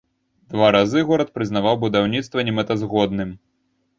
Два разы горад прызнаваў будаўніцтва немэтазгодным.